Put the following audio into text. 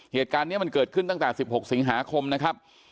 เหตุการณ์นี้มันเกิดขึ้นตั้งแต่๑๖สิงหาคมนะครับ